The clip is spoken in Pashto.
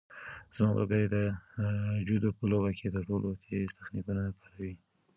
زما ملګری د جودو په لوبه کې تر ټولو تېز تخنیکونه کاروي.